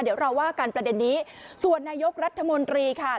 เดี๋ยวเราว่ากันประเด็นนี้ส่วนนายกรัฐมนตรีค่ะ